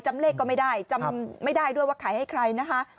จำเลขก็ไม่ได้จำไม่ได้ด้วยว่าขายให้ใครนะคะ